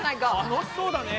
楽しそうだね。